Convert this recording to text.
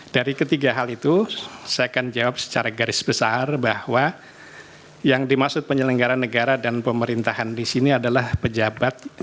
dari ketiga hal itu saya akan jawab secara garis besar bahwa yang dimaksud penyelenggara negara dan pemerintahan di sini adalah pejabat